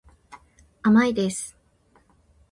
甘いです。